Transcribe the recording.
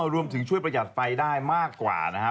รวมถึงช่วยประหยัดไฟได้มากกว่านะครับ